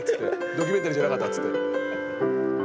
ドキュメンタリーじゃなかったっつって。